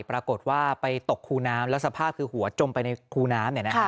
ปรากฏว่าไปตกคูน้ำแล้วสภาพคือหัวจมไปในคูน้ำ